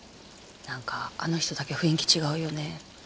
なんかあの人だけ雰囲気違うよね。